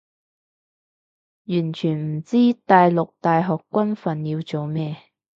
完全唔知大陸大學軍訓要做咩